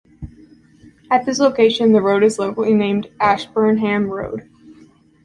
At this location, the road is locally named Ashburnham Road.